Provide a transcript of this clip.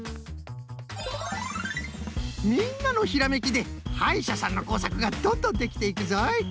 みんなのひらめきではいしゃさんのこうさくがどんどんできていくぞい。